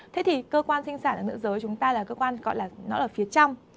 thế thì cơ quan sinh sản ở nữ giới chúng ta là cơ quan gọi là nó ở phía trong